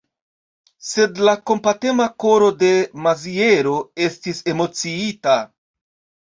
Sed la kompatema koro de Maziero estis emociita.